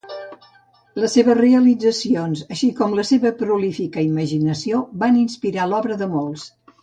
Les seves realitzacions, així com la seva prolífica imaginació, van inspirar l'obra de molts.